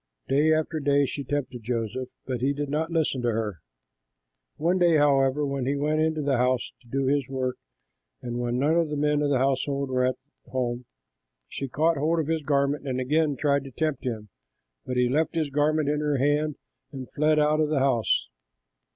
Day after day she tempted Joseph, but he did not listen to her. One day, however, when he went into the house to do his work and when none of the men of the household were at home, she caught hold of his garment and again tried to tempt him, but he left his garment in her hand and fled out of the house.